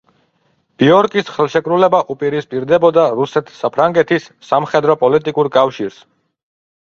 ბიორკის ხელშეკრულება უპირისპირდებოდა რუსეთ-საფრანგეთის სამხედრო პოლიტიკურ კავშირს.